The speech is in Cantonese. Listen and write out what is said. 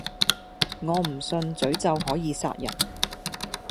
我唔信詛咒可以殺人